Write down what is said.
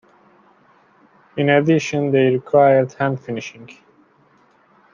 In addition, they required hand finishing.